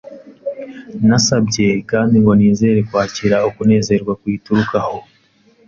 nasabye kandi ngo nizere kwakira ukunezerwa kuyiturukaho